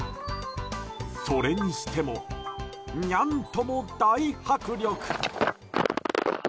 それにしてもにゃんとも大迫力！